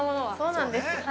◆そうなんです。